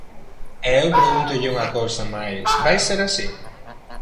E eu pregúntolle unha cousa máis, ¿vai ser así?